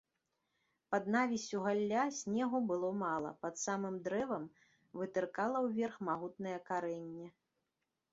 Пад навіссю галля снегу было мала, пад самым дрэвам вытыркала ўверх магутнае карэнне.